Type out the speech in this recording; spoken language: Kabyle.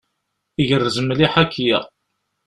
Igerrez mliḥ akya.